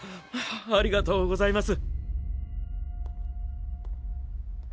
ありがとうございます。